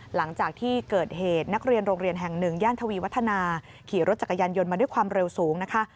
หลังจากที่เกิดเหตุนักเรียนโรงเรียนแห่งหนึ่งย่านทวีวัฒนาขี่รถจักรยานยนต์มาด้วยความเร็วสูงนะคะ